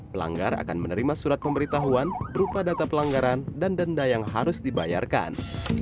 pelanggar akan menerima surat pemberitahuan berupa data pelanggaran dan denda yang harus dibayarkan